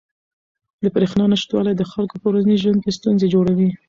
د بریښنا نشتوالی د خلکو په ورځني ژوند کې ستونزې جوړوي.